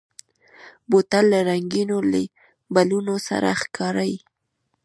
بوتل له رنګینو لیبلونو سره ښکاري.